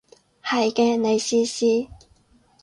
係嘅，你試試